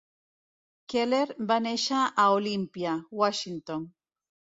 Keller va néixer a Olympia, Washington.